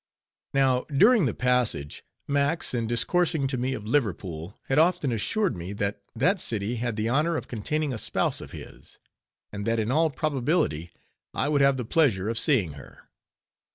_ Now during the passage, Max in discoursing to me of Liverpool, had often assured me, that that city had the honor of containing a spouse of his; and that in all probability, I would have the pleasure of seeing her.